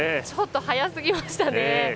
ちょっと早すぎましたね。